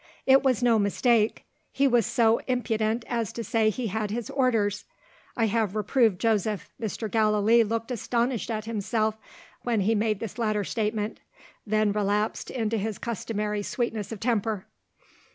It was no mistake; he was so impudent as to say he had his orders. I have reproved Joseph." Mr. Gallilee looked astonished at himself, when he made this latter statement then relapsed into his customary sweetness of temper.